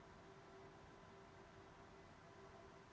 faktor partai prima mengajukan gugatan